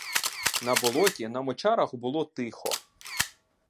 На болоті, на мочарах було тихо.